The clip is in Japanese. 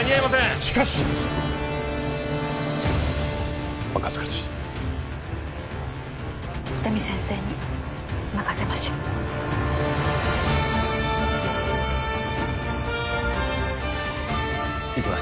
しかし赤塚知事喜多見先生に任せましょういきます